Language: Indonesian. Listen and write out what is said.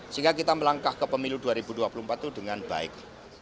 sehingga kita melangkah ke pemilu dua ribu dua puluh empat itu dengan baik